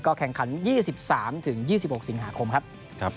แข่งขัน๒๓๒๖สิงหาคมครับ